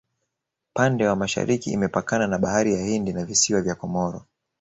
pande wa mashariki imepakana na bahari ya hindi na visiwa vya komoro